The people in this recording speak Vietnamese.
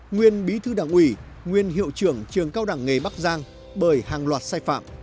nguyên bí thư đảng ủy nguyên hiệu trưởng trường cao đẳng nghề bắc giang bởi hàng loạt sai phạm